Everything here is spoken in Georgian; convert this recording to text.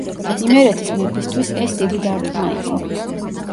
იმერეთის მეფისთვის ეს დიდი დარტყმა იყო.